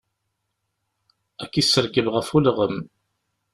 Ad k-isserkeb ɣef ulɣem.